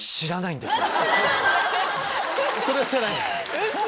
それは知らないんだ。